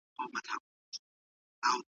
د ټولنيز ژوند نورو اړخونو ته هم ځير شئ.